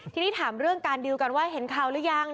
ทีนี้ถามเรื่องการดีลกันว่าเห็นข่าวหรือยัง